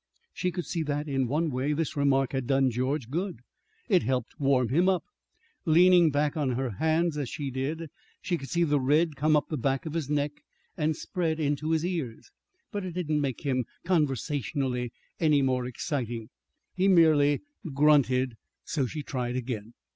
She could see that, in one way, this remark had done George good. It helped warm him up. Leaning back on her hands, as she did, she could see the red come up the back of his neck and spread into his ears. But it didn't make him conversationally any more exciting. He merely grunted. So she tried again.